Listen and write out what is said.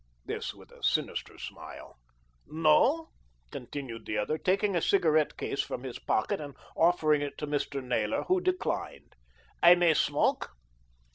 This with a sinister smile. "No?" continued the other; taking a cigarette case from his pocket and offering it to Mr. Naylor who declined. "I may smoke?"